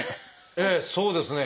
ええそうですね。